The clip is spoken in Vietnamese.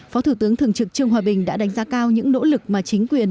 phó thủ tướng thường trực trương hòa bình đã đánh giá cao những nỗ lực mà chính quyền